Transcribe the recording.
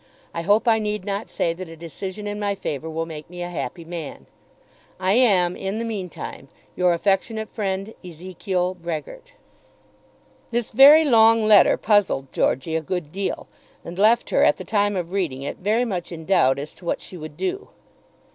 I hope I need not say that a decision in my favour will make me a happy man. I am, in the meantime, your affectionate friend, EZEKIEL BREHGERT. This very long letter puzzled Georgey a good deal, and left her, at the time of reading it, very much in doubt as to what she would do.